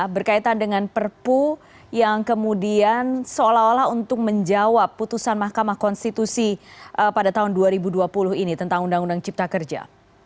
berkaitan dengan perpu yang kemudian seolah olah untuk menjawab putusan mahkamah konstitusi pada tahun dua ribu dua puluh ini tentang undang undang cipta kerja